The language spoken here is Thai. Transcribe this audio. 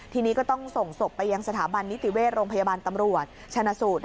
ทีนี้ก็ต้องส่งศพไปยังสถาบันนิติเวชโรงพยาบาลตำรวจชนะสูตร